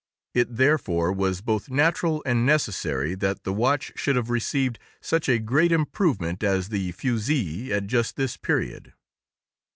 It therefore was both natural and necessary that the watch should have received such a great improvement as the fusee at just this period.